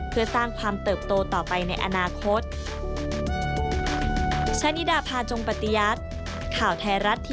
เพื่อสร้างความเติบโตต่อไปในอนาคต